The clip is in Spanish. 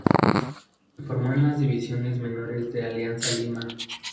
Se Formó en las divisiones menores de Alianza Lima.